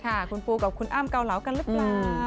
ค่ะคุณปูกับคุณอ้ำเกาเหลากันหรือเปล่า